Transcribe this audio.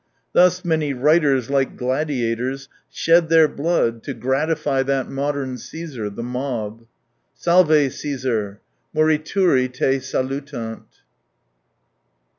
Thus many writers, like gladiators, shed their blood to gratify that modern Caesar, the mob. " Salve, Caesar, morituri te salutant